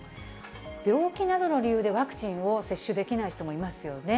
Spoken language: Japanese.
病気などの理由でワクチンを接種できない人もいますよね。